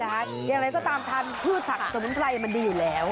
อย่างไรก็ตามทานพืชผักสมุนไพรมันดีอยู่แล้ว